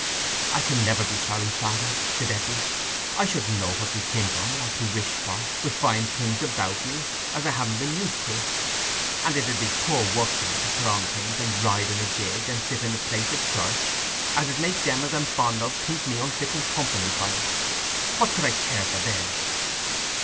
"I can never be sorry, father," said Eppie. "I shouldn't know what to think on or to wish for with fine things about me, as I haven't been used to. And it 'ud be poor work for me to put on things, and ride in a gig, and sit in a place at church, as 'ud make them as I'm fond of think me unfitting company for 'em. What could I care for then?"